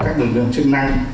các lực lượng chức năng